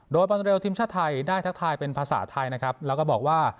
โดยบอลเรลทีมชาติไทยได้ทักทายเป็นภาษาไทยนะครับแล้วก็บอกว่า